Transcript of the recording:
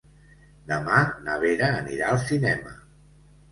Demà na Vera anirà al cinema.